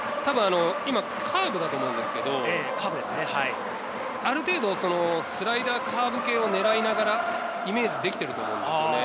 今、カーブだと思うんですけど、ある程度、スライダー、カーブ系を狙いながらイメージできていると思うんですよね。